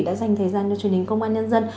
đã dành thời gian cho truyền hình công an nhân dân